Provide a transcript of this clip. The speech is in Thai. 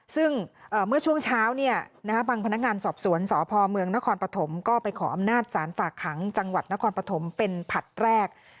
ซึ่งเมื่อช่วงเช้าบางพนักงานสอบสวนสพเมืองนครปฐมก็ไปขออำนาจสารฝากขังจังหวัดนครปฐมเป็นผลัดแรก